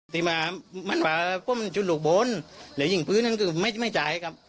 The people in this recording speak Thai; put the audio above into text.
ทีมามันก็มันจุดหลุกบนหรือหยิงพื้นไม่จ่ายครับ